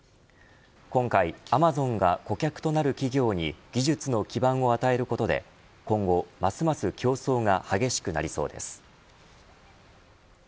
今回、アマゾンが顧客となる企業に技術の基盤を与えることで今後ますます競争が激しくなりそうです。